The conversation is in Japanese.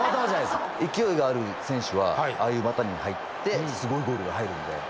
勢いがある選手はああいう入ってすごいゴールが入るんで。